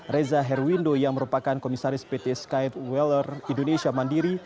reza herwindo yang merupakan komisaris pt skyweller indonesia mandiri